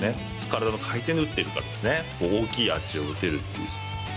体の回転で打ってるからですね、大きいアーチを打てるっていう。